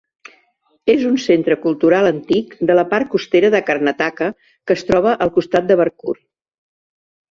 És un centre cultural antic de la part costera de Karnataka que es troba al costat de Barkur.